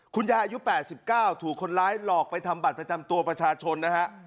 คุณยายอายุ๘๙ถูกคนร้ายหลอกไปทำบัตรประจำตัวประชาชนนะฮะ